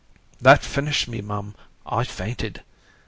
That finished me, mum I fainted.